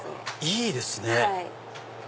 いいですね！